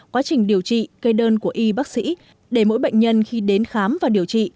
quá trình điều trị cây đơn của y bác sĩ để mỗi bệnh nhân khi đến khám và điều trị